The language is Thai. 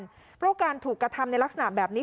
เพราะการถูกกระทำในลักษณะแบบนี้